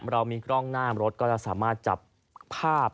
เรามีกล้องหน้ารถก็จะสามารถจับภาพ